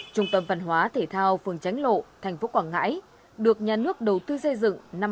trung tâm văn hóa thể thao phường tránh lộ thành phố quảng ngãi được nhà nước đầu tư xây dựng năm hai nghìn một mươi